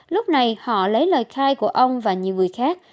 lúc này họ lấy lời khai của ông và nhiều người khác